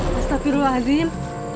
pasti tak perlu hadir